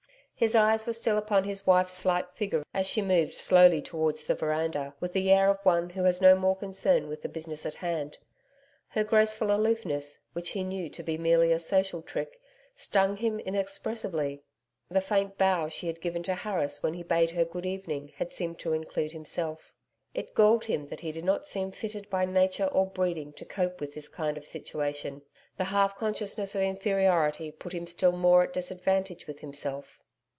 His eyes were still upon his wife's slight figure as she moved slowly towards the veranda, with the air of one who has no more concern with the business in hand. Her graceful aloofness, which he knew to be merely a social trick, stung him inexpressibly, the faint bow she had given Harris when he bade her good evening had seemed to include himself. It galled him that he did not seem fitted by nature or breeding to cope with this kind of situation. The half consciousness of inferiority put him still more at disadvantage with himself.